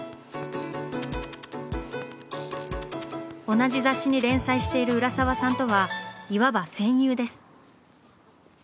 同じ雑誌に連載している浦沢さんとはいわば「戦友」です。